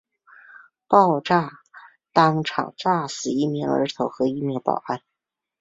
爆炸当场炸死一名儿童和一名保安。